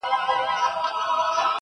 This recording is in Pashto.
اوڅار = څرګند، ښکار، دوڅار، جوت